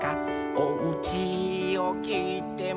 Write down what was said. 「おうちをきいても」